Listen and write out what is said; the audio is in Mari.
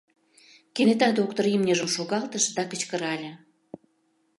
Кенета доктор имньыжым шогалтыш да кычкырале: